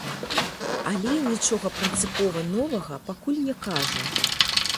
Але нічога прынцыпова новага пакуль не кажа.